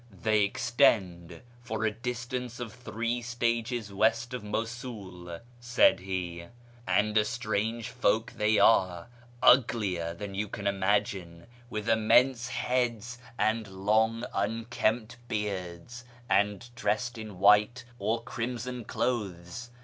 " They extend for a distance of three stages west of Mosul," said he, " and strange folk they are —■ uglier than you can imagine, with immense heads and long unkempt beards, and dressed in white or crimson clothes.